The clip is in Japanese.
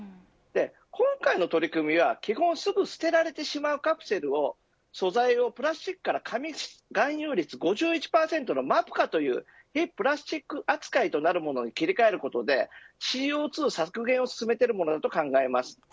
今回の取り組みは基本すぐに捨てられてしまうカプセルを素材やプラスチックから紙含有率５１％のＭＡＰＫＡという非プラスチック扱いに切り替えることでＣＯ２の削減を進めているものと考えます。